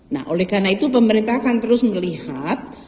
nah oleh karena itu pemerintah akan terus melihat